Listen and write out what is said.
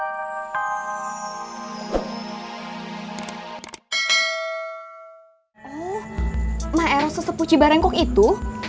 oh maero susepu cibarengkok itu